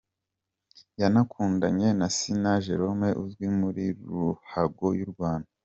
Yanakundanye na Sina Jerome uzwi muri ruhago y’u Rwanda.